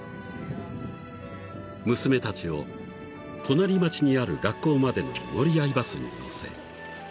［娘たちを隣町にある学校までの乗り合いバスに乗せ］